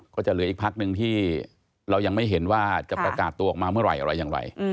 ก็จะเหลืออีกพักหนึ่งที่เรายังไม่เห็นว่าจะประกาศตัวออกมาเมื่อไหร่อะไรอย่างไร